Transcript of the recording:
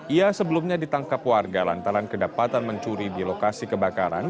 ia sebelumnya ditangkap warga lantaran kedapatan mencuri di lokasi kebakaran